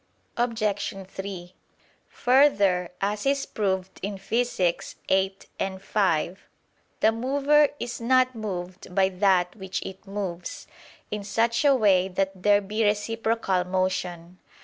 Obj. 3: Further, as is proved in Phys. viii, 5, the mover is not moved by that which it moves, in such a way that there be reciprocal motion.